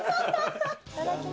いただきます。